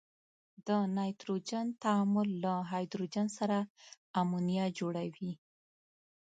د نایتروجن تعامل له هایدروجن سره امونیا جوړوي.